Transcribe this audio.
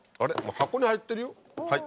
箱に入ってるよはい。